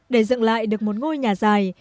để dựng lại được một ngôi nhà dài